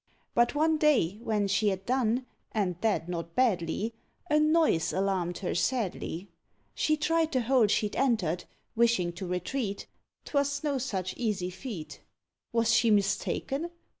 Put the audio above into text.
But one day, when she'd done and that not badly A noise alarmed her sadly. She tried the hole she'd entered, wishing to retreat; 'Twas no such easy feat. Was she mistaken?